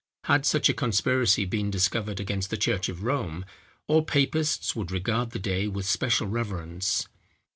Had such a conspiracy been discovered against the church of Rome, all papists would regard the day with special reverence.